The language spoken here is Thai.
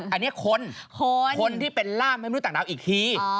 อันนี้คนคนที่เป็นล่ามให้มนุษย์ต่างดาวอีกที